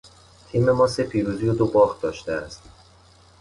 تیم ما سه پیروزی و دو باخت داشته است.